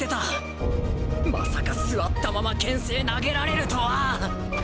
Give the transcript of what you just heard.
まさか座ったまま牽制投げられるとは！